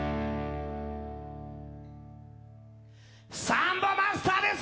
サンボマスターです